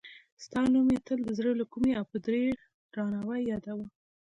ستا نوم یې تل د زړه له کومې او په ډېر درناوي یادوه.